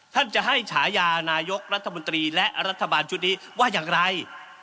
ท่านจะให้ฉายานายกรัฐมนตรีและรัฐบาลชุดนี้ว่าอย่างไร